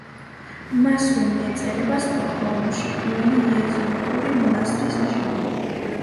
მასვე მიეწერება სტოკჰოლმში პირველი იეზუიტური მონასტრის აშენება.